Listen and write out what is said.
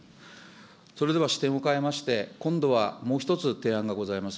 それでは視点を変えまして、今度はもう１つ、提案がございます。